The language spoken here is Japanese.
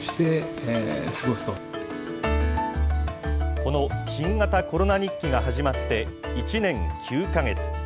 この新型コロナ日記が始まって１年９か月。